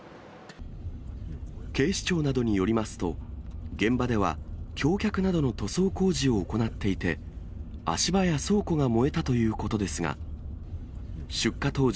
警視庁などによりますと、現場では橋脚などの塗装工事を行っていて、足場や倉庫が燃えたということですが、出火当時、